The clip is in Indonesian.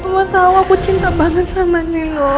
mama tau aku cinta banget sama nino